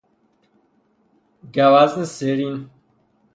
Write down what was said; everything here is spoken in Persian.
گوزن سرین